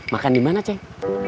makan di mana ceng